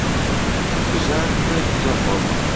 بژار کوڕێکی زۆر قۆزە.